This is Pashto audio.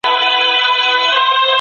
د مجلس غړي چېرته کښیني؟